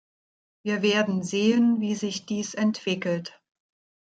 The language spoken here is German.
Wir werden sehen, wie sich dies entwickelt.